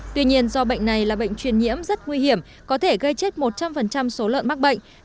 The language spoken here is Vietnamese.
tuy nhiên do bệnh này là bệnh truyền nhiễm rất nguy hiểm có thể gây chết một trăm linh số lợn mắc bệnh